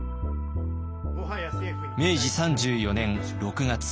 明治３４年６月。